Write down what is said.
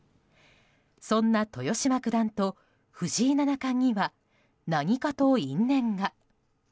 そんな豊島九段と藤井七冠には何かと因縁が。